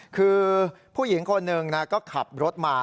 คือผู้หญิงคนหนึ่งก็ขับรถมา